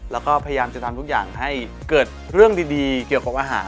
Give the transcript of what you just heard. แล้วก็พยายามจะทำทุกอย่างให้เกิดเรื่องดีเกี่ยวกับอาหาร